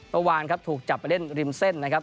เมื่อวานครับถูกจับไปเล่นริมเส้นนะครับ